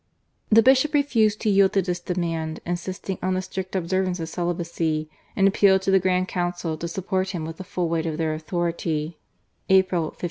The bishop refused to yield to this demand insisting on the strict observance of celibacy, and appealed to the Grand Council to support him with the full weight of their authority (April 1522).